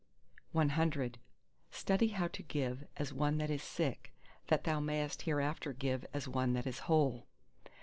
CI Study how to give as one that is sick: that thou mayest hereafter give as one that is whole.